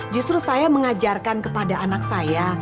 justru saya mengajarkan kepada anak saya